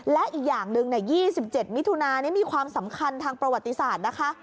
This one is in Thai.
และอีกอย่างหนึ่ง๒๗มิถุนานี้มีความสำคัญทางประวัติศาสตร์นะคะ